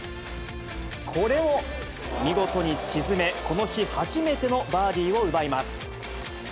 これを見事に沈め、この日、初めてのバーディーを奪います。